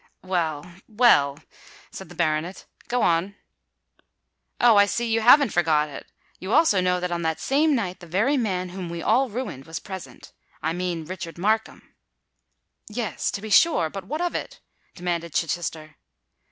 "Well—well," said the baronet: "go on." "Oh! I see you haven't forgot it! You also know that on that same night the very young man whom we all ruined, was present—I mean Richard Markham." "Yes—to be sure. But what of that?" demanded Chichester.